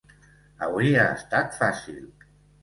Avui ha estat fàcil.